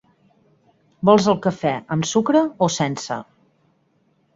Vols el cafè amb sucre o sense?